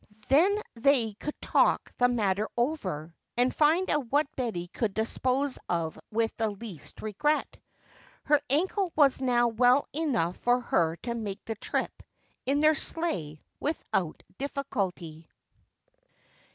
Then they could talk the matter over and find out what Betty could dispose of with the least regret. Her ankle was now well enough for her to make the trip in their sleigh without difficulty.